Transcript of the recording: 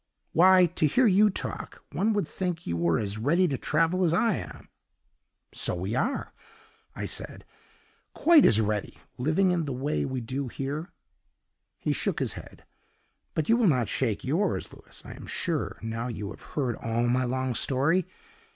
'Why, to hear you talk, one would think you were as ready to travel as I am!' 'So we are,' I said, 'quite as ready, living in the way we do here.' He shook his head; but you will not shake yours, Louis, I am sure, now you have heard all my long story?